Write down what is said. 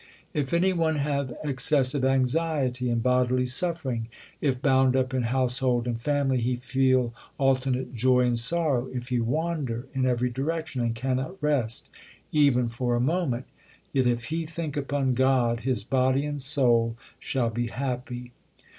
96 THE SIKH RELIGION If any one have excessive anxiety and bodily suffering, If bound up in household and family, he feel alternate joy and sorrow, If he wander in every direction, and cannot rest even for a moment, Yet if he think upon God, his body and soul shall be happy.